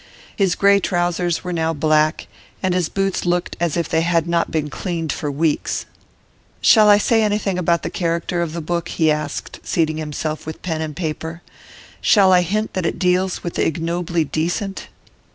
His grey trousers were now black, and his boots looked as if they had not been cleaned for weeks. 'Shall I say anything about the character of the book?' he asked, seating himself with pen and paper. 'Shall I hint that it deals with the ignobly decent?